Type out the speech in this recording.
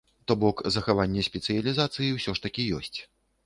То бок, захаванне спецыялізацыі ўсё ж такі ёсць.